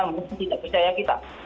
mungkin tidak percaya kita